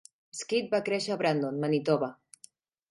Skid va créixer a Brandon, Manitoba.